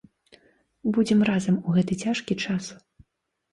Будзем разам у гэты цяжкі час!